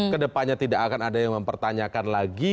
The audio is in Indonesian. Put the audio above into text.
kedepannya tidak akan ada yang mempertanyakan lagi